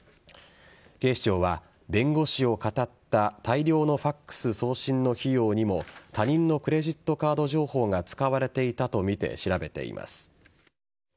警視庁は、弁護士をかたった大量のファックス送信の費用にも他人のクレジットカード情報が使われていたとみて調べています。